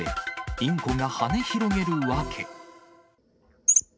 インコが羽広げる訳。